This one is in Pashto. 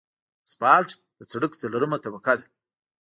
اسفالټ د سرک څلورمه طبقه ده